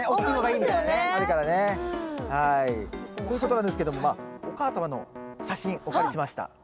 ということなんですけどもお母様の写真お借りしました。